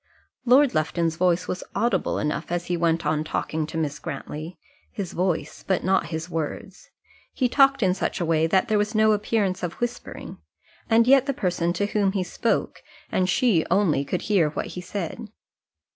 Lord Lufton's voice was audible enough as he went on talking to Miss Grantly his voice, but not his words. He talked in such a way that there was no appearance of whispering, and yet the person to whom he spoke, and she only, could hear what he said.